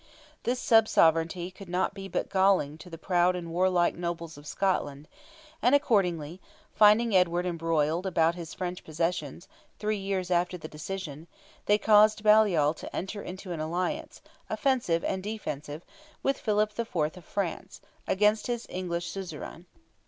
This sub sovereignty could not but be galling to the proud and warlike nobles of Scotland, and accordingly, finding Edward embroiled about his French possessions, three years after the decision, they caused Baliol to enter into an alliance, offensive and defensive, with Philip IV. of France, against his English suzerain.